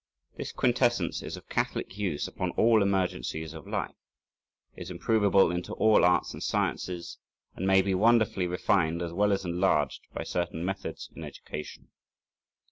This quintessence is of catholic use upon all emergencies of life, is improveable into all arts and sciences, and may be wonderfully refined as well as enlarged by certain methods in education.